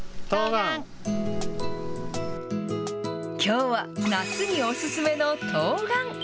きょうは夏にお勧めのとうがん。